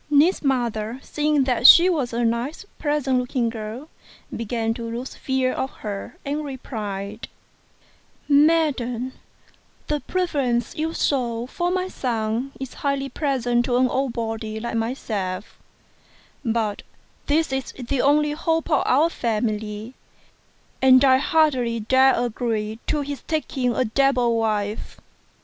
Ning's mother, seeing that she was a nice pleasant looking girl, began to lose fear of her, and replied, " Madam, the preference you shew for my son is highly pleasing to an old body like myself; but this is the only hope of our family, and I hardly dare agree to his taking a devil wife."